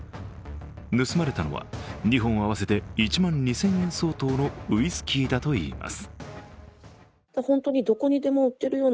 盗まれたのは２本合わせて１万２０００円相当のウイスキーだといいます。